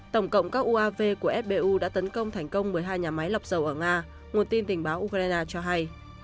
tổng cộng các uav của fbu đã tấn công thành công một mươi hai nhà máy lọc dầu ở nga nguồn tin tình báo ukraine cho hay